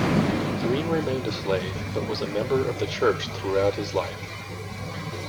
Green remained a slave but was a member of the church throughout his life.